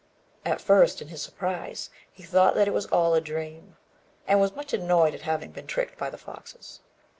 At first, in his surprise, he thought that it was all a dream, and was much annoyed at having been tricked by the foxes.